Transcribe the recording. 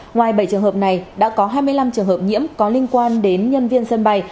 ngoài bảy trường hợp này đã có hai mươi năm trường hợp nhiễm có liên quan đến nhân viên sân bay